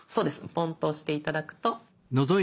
ポンと押して頂くと。